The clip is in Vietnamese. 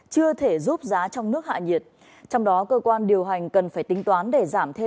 chưa thể giúp giá trong nước hạ nhiệt